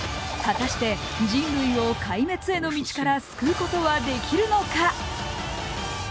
果たして、人類を壊滅への道から救うことはできるのか？